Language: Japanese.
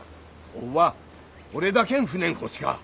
おっは俺だけん船ん欲しか。